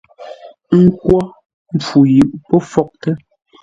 Ə́ nkwô mpfu yʉʼ pə́ fwótə́.